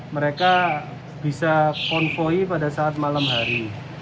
mereka bisa konvoy pada saat malam hari